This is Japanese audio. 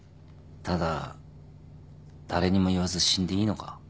ただ誰にも言わず死んでいいのか。